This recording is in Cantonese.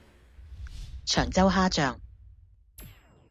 長洲蝦醬